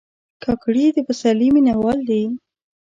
کاکړي د پسرلي مینهوال دي.